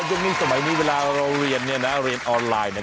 ยุคนี้สมัยนี้เวลาเราเรียนเรียนออนไลน์